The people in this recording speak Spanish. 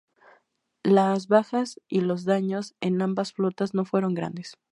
Las bajas y los daños en ambas flotas no fueron grandes.